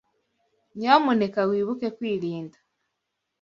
Nyamuneka wibuke kwirinda.